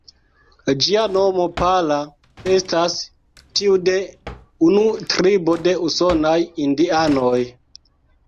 Ĝia nomo ""Pala"", estas tiu de unu tribo de usonaj indianoj.